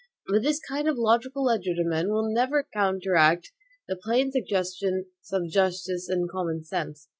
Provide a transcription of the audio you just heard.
But this kind of logical legerdemain will never counteract the plain suggestions of justice and common sense.